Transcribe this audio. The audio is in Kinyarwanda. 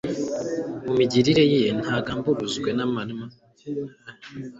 mu migirire ye ntagamburuzwe n'amananiza